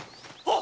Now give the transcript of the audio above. あ